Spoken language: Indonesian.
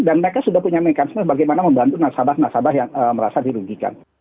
dan mereka sudah punya mekanisme bagaimana membantu nasabah nasabah yang merasa dirugikan